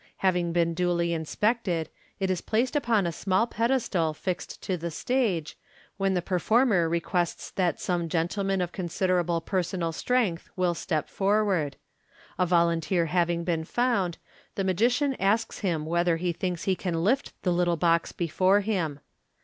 Having been duly inspected, it is placed upon a small pedestal fixed to the stage, when the performer requests that some gentleman of considerable per sonal strength will step forward. A volunteer having been found, the magician asks him whether he thinks he can lift the little box before him.